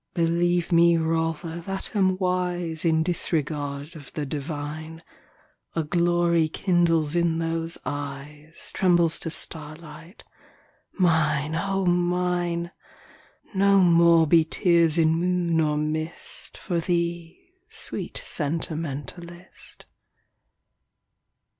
Believe me rather that am wise In disregard of the divine, A glory kindles in those eyes Trembles to starlight. Mine, O Mine ! No more be tears in moon or mist For thee, sweet sentimentalist.